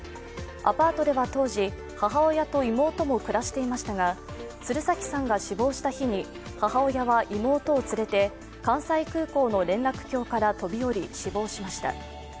アパートでは当時、母親と妹も暮らしていましたが鶴崎さんが死亡した日に母親は妹を連れて関西空港の連絡橋から飛び降り、死亡しました。